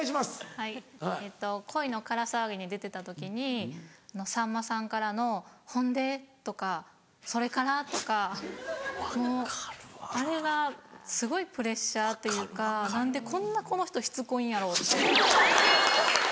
はいえっと『恋のから騒ぎ』に出てた時にさんまさんからの「ほんで？」とか「それから？」とかもうあれがすごいプレッシャーというか何でこんなこの人しつこいんやろう？って。